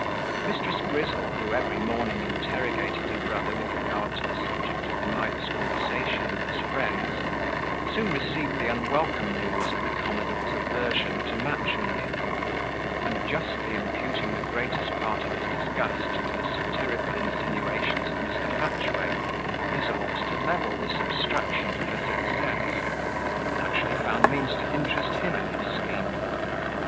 Mrs. Grizzle, who every morning interrogated her brother with regard to the subject of his night's conversation with his friends, soon received the unwelcome news of the commodore's aversion to matrimony; and justly imputing the greatest part of his disgust to the satirical insinuations of Mr. Hatchway, resolved to level this obstruction to her success, and actually found means to interest him in her scheme.